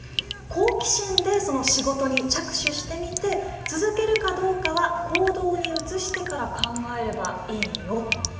「好奇心で仕事に着手してみて続けるかどうかは行動に移してから考えればいいよ」と。